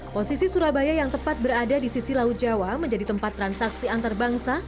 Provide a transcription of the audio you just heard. posisi surabaya yang tepat berada di sisi laut jawa menjadi tempat transaksi antarbangsa